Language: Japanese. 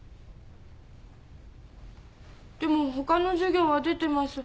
でもほかの授業は出てます。